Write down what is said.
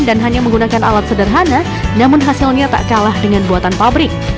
dan hanya menggunakan alat sederhana namun hasilnya tak kalah dengan buatan pabrik